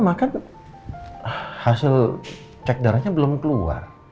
maka hasil cek darahnya belum keluar